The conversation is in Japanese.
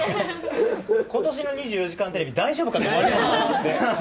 ことしの２４時間テレビ、大丈夫かってなるよ。